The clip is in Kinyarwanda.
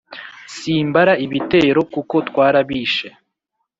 simbara ibitero kuko twarabishe